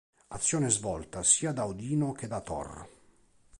Azione svolta sia da Odino che da Thor.